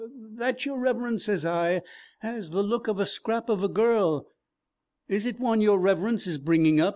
'That, your Reverence,' sez I, 'has the look of a scrap of a girl. Is it one your Reverence is bringing up?'